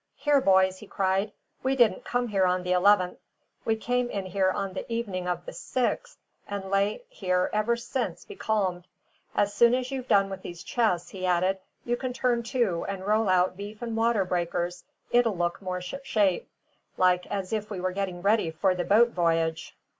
"Here, boys!" he cried, "we didn't come here on the eleventh; we came in here on the evening of the sixth, and lay here ever since becalmed. As soon as you've done with these chests," he added, "you can turn to and roll out beef and water breakers; it'll look more shipshape like as if we were getting ready for the boat voyage."